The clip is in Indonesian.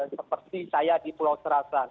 seperti saya di pulau serasan